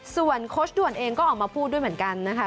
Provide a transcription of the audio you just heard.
ส่วนโค้ชด่วนเองก็ออกมาพูดด้วยเหมือนกันนะคะ